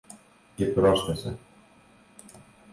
Και πρόσθεσε